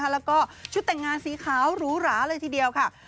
แล้วก็ชุดแต่งงานสีขาวหรูหราเลยทีเดียวค่ะ